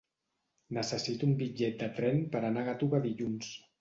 Necessito un bitllet de tren per anar a Gàtova dilluns.